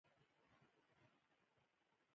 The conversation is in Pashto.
تاسو ته د پیسو د لیږد په اړه لارښوونه کیږي.